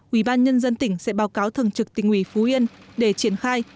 ủy ban nhân dân tỉnh sẽ báo cáo thường trực tỉnh ủy phú yên để triển khai